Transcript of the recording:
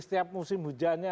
setiap musim hujannya